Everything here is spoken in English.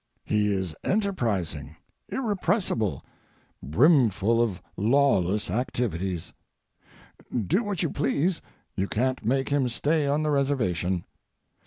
He is enterprising, irrepressible, brimful of lawless activities. Do what you please, you can't make him stay on the reservation.